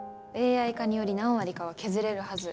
ＡＩ化により何割かは削れるはず。